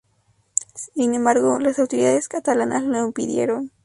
Sin embargo, las autoridades catalanas lo impidieron.